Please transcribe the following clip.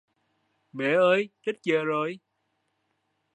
Mẹ ơi đến giờ rồi